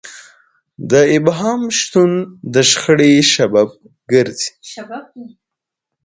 د ابهام شتون د شخړې سبب ګرځي.